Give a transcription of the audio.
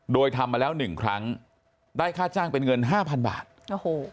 โดยทำมาแล้วหนึ่งครั้งได้ค่าจ้างเป็นเงินห้าพันบาทโอ้โห